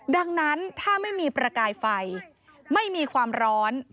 ดังนั้นถ้าไม่มีประกายไฟไม่มีความร้อน